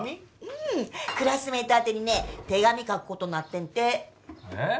うんクラスメイト宛てにね手紙書くことなってんてえっ？